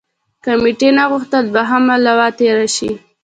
کمېټې نه غوښتل دوهمه لواء تېره شي.